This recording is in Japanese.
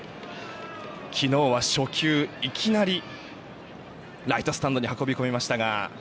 昨日は初球、いきなりライトスタンドに運びました。